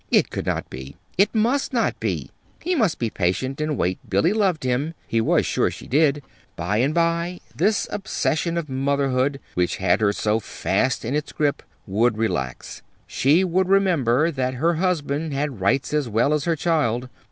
It could not be. It must not be. He must be patient, and wait. Billy loved him. He was sure she did. By and by this obsession of motherhood, which had her so fast in its grasp, would relax. She would remember that her husband had rights as well as her child.